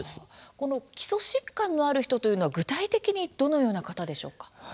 この基礎疾患のある人というのは具体的にどういう方でしょうか。